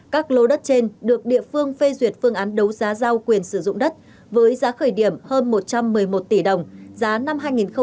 các lô đất trên được địa phương phê duyệt phương án đấu giá giao quyền sử dụng đất với giá khởi điểm hơn một trăm một mươi một tỷ đồng giá năm hai nghìn một mươi chín